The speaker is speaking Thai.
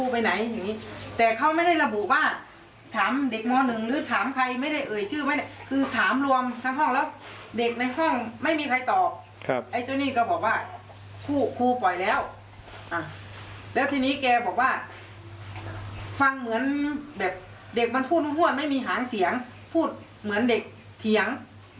เพราะว่าฟังเหมือนแบบเด็กมันพูดห้วนไม่มีหังเสียงพูดเหมือนเด็กเถียง